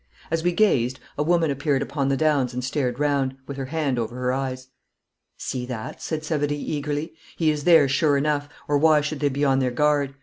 As we gazed, a woman appeared upon the downs and stared round, with her hand over her eyes. 'See that!' said Savary eagerly. 'He is there sure enough, or why should they be on their guard?